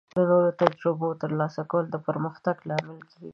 د نوو تجربو ترلاسه کول د پرمختګ لامل کیږي.